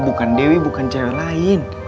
bukan dewi bukan cara lain